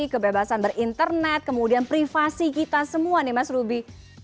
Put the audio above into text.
kebebasan berinternet kemudian privasi kita semua nih mas ruby